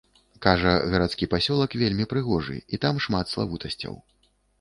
Кажа, гарадскі пасёлак вельмі прыгожы, і там шмат славутасцяў.